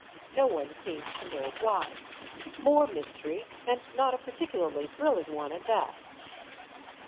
No one seems to know why. More mystery, and not a particularly thrilling one at that.